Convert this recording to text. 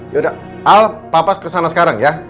yaudah al papa kesana sekarang ya